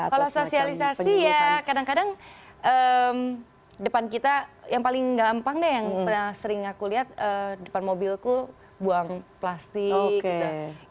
kalau sosialisasi ya kadang kadang depan kita yang paling gampang deh yang sering aku lihat depan mobilku buang plastik gitu